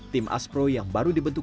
tim aspro yang baru dibentuk